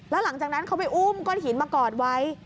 แล้วหลังจากนั้นเขาไปอุ้มก้อนหินมากอดไว้